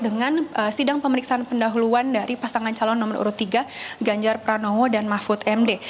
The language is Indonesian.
dengan sidang pemeriksaan pendahuluan dari pasangan calon nomor urut tiga ganjar pranowo dan mahfud md